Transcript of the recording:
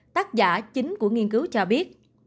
tác giả chính của nghiên cứu cho biết